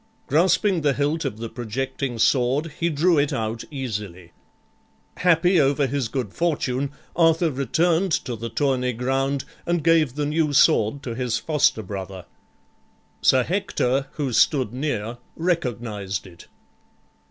Grasping the hilt of the projecting sword, he drew it out easily. Happy over his good fortune, Arthur returned to the tourney ground and gave the new sword to his foster brother. Sir Hector, who stood near, recognized it.